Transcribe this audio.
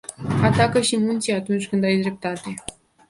Atacă și munții atunci când ai dreptate.